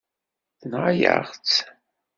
Tenɣa-yas-tt.